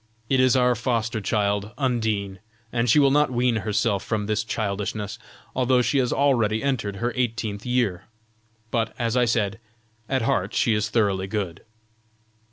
It is our foster child, Undine, and she will not wean herself from this childishness, although she has already entered her eighteenth year. But, as I said, at heart she is thoroughly good."